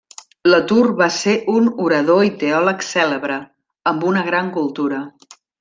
La Tour va ser un orador i teòleg cèlebre, amb una gran cultura.